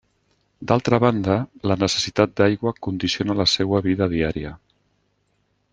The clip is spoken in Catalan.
D'altra banda, la necessitat d'aigua condiciona la seua vida diària.